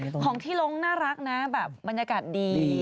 ของที่ลงน่ารักนะแบบบรรยากาศดี